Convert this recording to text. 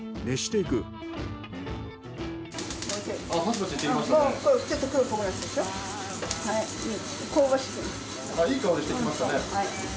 いい香りしてきましたね。